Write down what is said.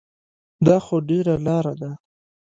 دا خو ډېره لاره ده.